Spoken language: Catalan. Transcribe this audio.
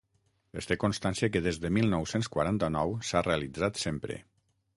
Es té constància que des de mil nou-cents quaranta-nou s'ha realitzat sempre.